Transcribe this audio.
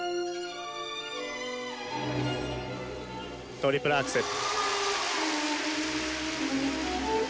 トリプルアクセル。